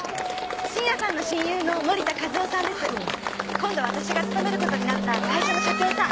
今度私が勤めることになった会社の社長さん。